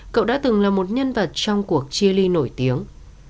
cậu đã từng là một nhân vật trong cuộc chia ly nổi tiếng